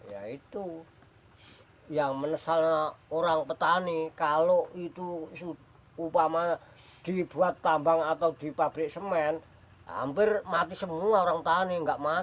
ya itu yang menesan orang petani kalau itu upama dibuat tambang atau dipabrik semen hampir mati semua orang tani nggak makan